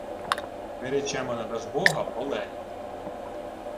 — Ми речемо на Дажбога Полель.